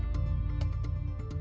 silat harimau pasaman